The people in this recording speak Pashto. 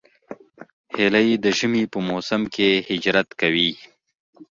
هیلۍ د ژمي په موسم کې هجرت کوي